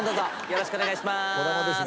よろしくお願いします。